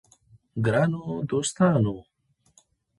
ګرانو دوستانو!